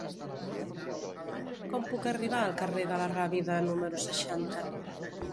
Com puc arribar al carrer de la Rábida número seixanta?